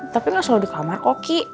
tapi gak selalu di kamar koki